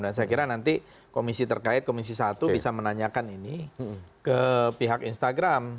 dan saya kira nanti komisi terkait komisi satu bisa menanyakan ini ke pihak instagram